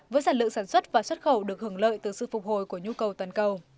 với sản lượng sản xuất và xuất khẩu được hưởng lợi từ sự phục hồi của nhu cầu toàn cầu